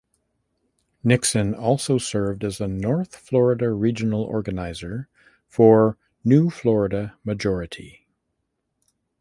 Nixon also served as the North Florida regional organizer for New Florida Majority.